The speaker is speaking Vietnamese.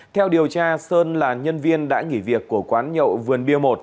theo điều tra sơn là nhân viên đã nghỉ việc của quán nhậu vườn bia một